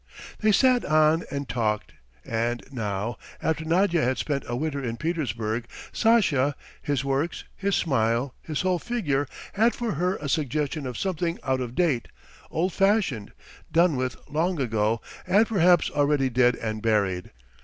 They sat on and talked, and now, after Nadya had spent a winter in Petersburg, Sasha, his works, his smile, his whole figure had for her a suggestion of something out of date, old fashioned, done with long ago and perhaps already dead and buried.